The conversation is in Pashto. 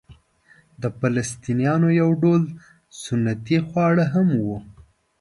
د فلسطنیانو یو ډول سنتي خواړه هم وو.